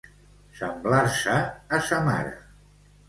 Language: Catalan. Semblar-se a sa mare.